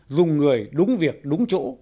dùng người đúng việc đúng chỗ